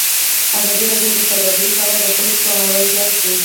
ازادي راډیو د سوداګري په اړه د خلکو پوهاوی زیات کړی.